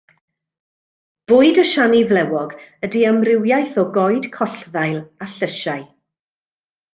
Bwyd y siani flewog ydy amrywiaeth o goed collddail a llysiau.